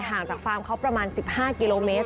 ห่างจากฟาร์มเขาประมาณ๑๕กิโลเมตร